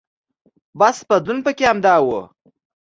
بس بدلون پکې همدا و.